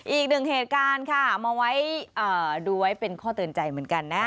อีกหนึ่งเหตุการณ์ค่ะมาไว้ดูไว้เป็นข้อเตือนใจเหมือนกันนะ